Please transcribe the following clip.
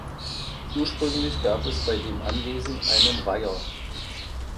Ursprünglich gab es bei dem Anwesen einen Weiher.